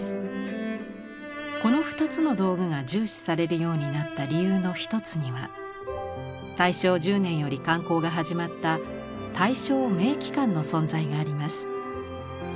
この２つの道具が重視されるようになった理由の一つには大正１０年より刊行が始まった「大正名器鑑」の存在があります。